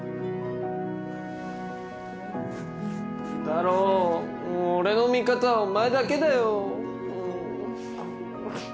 太郎俺の味方はお前だけだよ。